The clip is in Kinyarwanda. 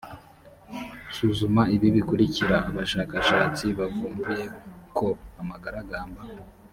suzuma ibi bikurikira abashakashatsi bavumbuye ko amagaragamba